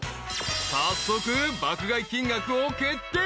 ［早速爆買い金額を決定］